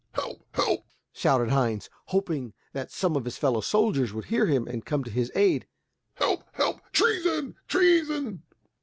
"Help! help!" shouted Heinz, hoping that some of his fellow soldiers would hear him and come to his aid, "Help, help! treason, treason!"